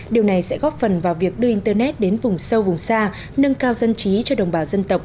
điều này sẽ góp phần vào việc đưa internet đến vùng sâu vùng xa nâng cao dân trí cho đồng bào dân tộc